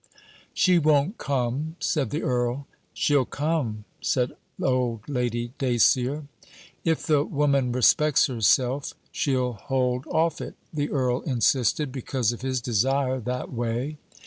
'She won't come,' said the earl. 'She'll come,' said old Lady Dacier. 'If the woman respects herself she'll hold off it,' the earl insisted because of his desire that way.